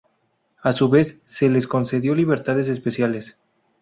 A su vez se les concedió libertades especiales.